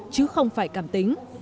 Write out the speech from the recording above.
chứ không phải cảm tính